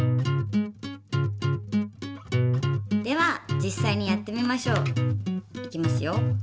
では実際にやってみましょう。いきますよ。